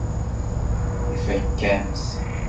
Ifakk-am-t.